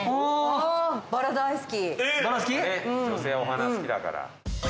女性お花好きだから。